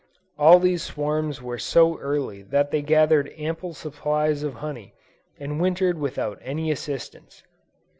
All these swarms were so early that they gathered ample supplies of honey, and wintered without any assistance!